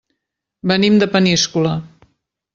Venim de Peníscola.